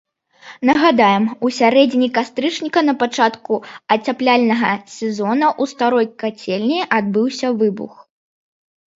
Нагадаем, у сярэдзіне кастрычніка на пачатку ацяпляльнага сезона ў старой кацельні адбыўся выбух.